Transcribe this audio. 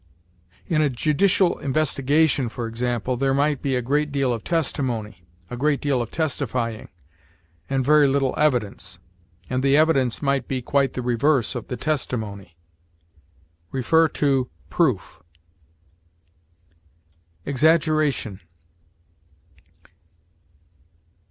In a judicial investigation, for example, there might be a great deal of testimony a great deal of testifying and very little evidence; and the evidence might be quite the reverse of the testimony. See PROOF. EXAGGERATION.